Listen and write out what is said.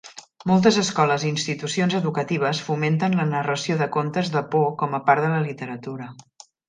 Moltes escoles i institucions educatives fomenten la narració de contes de por com a part de la literatura.